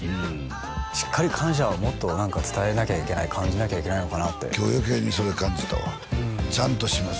しっかり感謝をもっと何か伝えなきゃいけない感じなきゃいけないのかなって今日余計にそれ感じたわちゃんとします